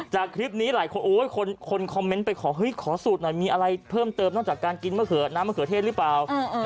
จากคลิปนี้คนคอมเม้นต์ไปขอสูตรหน่อยมีอะไรเพิ่มเติมนอกจากการกินน้ำมะเขือเทศหรือเปล่า